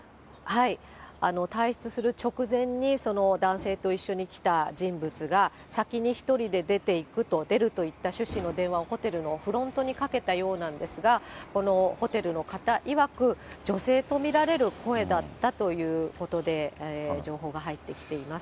退室する直前にその男性と一緒に来た人物が、先に１人で出ていくと、出るといった趣旨の電話をホテルのフロントにかけたようなんですが、このホテルの方いわく、女性と見られる声だったということで情報が入ってきています。